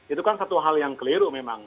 itu kan satu hal yang keliru memang